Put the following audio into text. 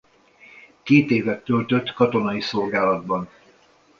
Két évet töltött katonai szolgálatban.